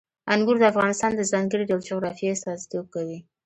انګور د افغانستان د ځانګړي ډول جغرافیې استازیتوب کوي.